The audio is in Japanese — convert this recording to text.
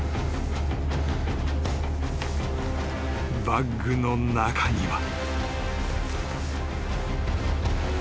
［バッグの中には］